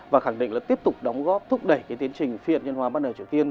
và khẳng định là tiếp tục đóng góp thúc đẩy cái tiến trình phiền nhân hòa bản đảo triều tiên